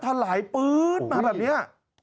ถลายปื๊ดมาแบบนี้